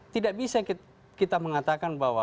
tidak bisa kita mengatakan bahwa